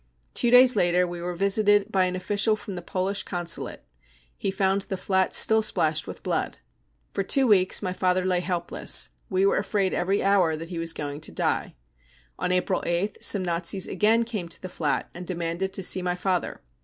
Two days later we were visited by an official from the Polish Consulate ; he found the flat still splashed with blood. cs For two weeks my father lay helpless ; we were afraid every hour that he was going to. die. On April 8th some Nazis again came to the flat and demanded to see my father.